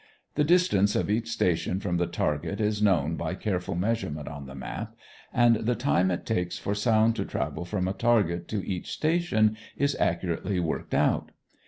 The distance of each station from the target is known by careful measurement on the map, and the time it takes for sound to travel from the target to each station is accurately worked out.